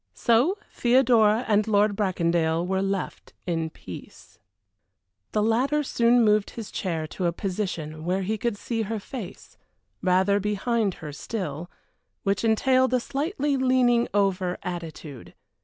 So Theodora and Lord Bracondale were left in peace. The latter soon moved his chair to a position where he could see her face, rather behind her still, which entailed a slightly leaning over attitude.